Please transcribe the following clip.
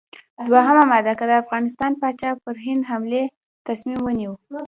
دوهمه ماده: که د افغانستان پاچا پر هند حملې تصمیم ونیو.